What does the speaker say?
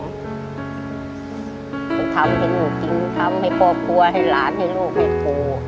คือทำให้หนูจริงทำให้พ่อครัวให้หลานให้ลูกให้ครู